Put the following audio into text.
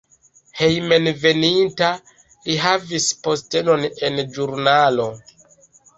Hejmenveninta li havis postenon en ĵurnalo.